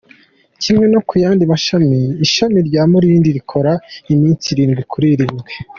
Kimwe no ku yandi mashami, ishami rya Mulindi rikora iminsi irindwi kuri irindwi.